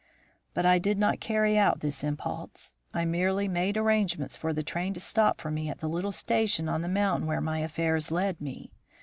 But I did not carry out this impulse; I merely made arrangements for the train to stop for me at the little station on the mountains where my affairs led me.